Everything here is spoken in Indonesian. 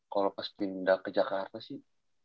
kalau pas pindah ke jakarta sih